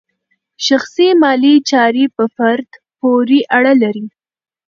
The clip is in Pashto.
شخصي مالي چارې په فرد پورې اړه لري.